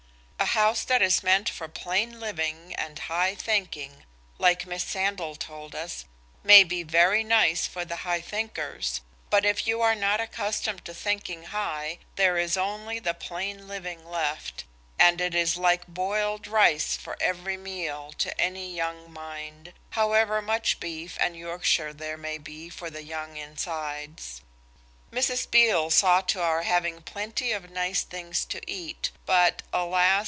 A house that is meant for plain living and high thinking, like Miss Sandal told us, may be very nice for the high thinkers, but if you are not accustomed to thinking high there is only the plain living left, and it is like boiled rice for every meal to any young mind, however much beef and Yorkshire there may be for the young insides. Mrs. Beale saw to our having plenty of nice things to eat, but, alas!